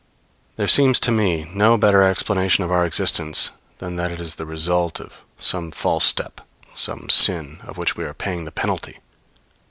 There seems to me no better explanation of our existence than that it is the result of some false step, some sin of which we are paying the penalty.